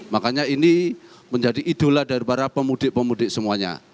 makanya ini menjadi idola dari para pemudik pemudik semuanya